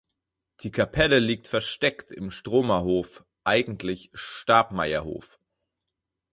Die Kapelle liegt versteckt im Stromerhof (eigentlich "Stabmeierhof").